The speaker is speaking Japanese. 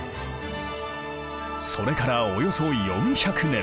それからおよそ４００年。